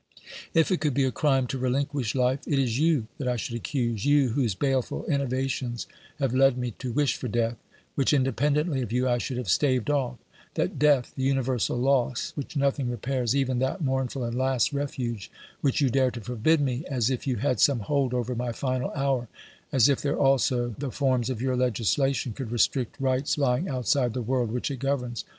If it could be a crime to relinquish life, it is you that I should accuse, you whose baleful innovations have led me to wish for death, which, independently of you, I should have staved off; that death, the universal loss which nothing repairs, even that mournful and last refuge which you dare to forbid me, as if you had some hold over my final hour, as if there also the forms of your legislation could restrict rights lying outside the world which it governs.